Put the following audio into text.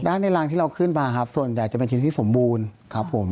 ด้านในรางที่เราขึ้นมาส่วนใหญ่จะเป็นชิ้นที่สมบูรณ์